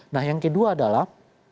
nah yang kedua adalah